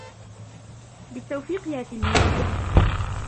بالتوفيق يا تلميدي.